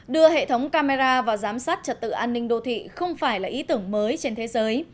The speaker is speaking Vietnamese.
đưa hệ thống camera và giám sát trật tự an ninh đô thị không phải là ý tưởng mới trên thế giới